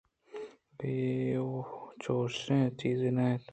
اے وَ چُشیں چیزے نہ اِنت